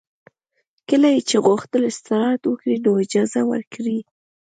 کله یې چې غوښتل استراحت وکړي نو اجازه ورکړئ